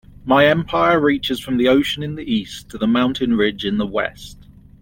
My empire reaches from the ocean in the East to the mountain ridge in the West.